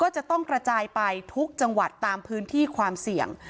จะต้องกระจายไปทุกจังหวัดตามพื้นที่ความเสี่ยง